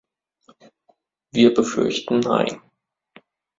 Wir befürchten nein.